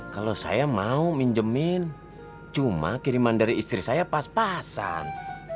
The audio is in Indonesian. kalau saya mau minjemin cuma kiriman dari istri saya pas pasan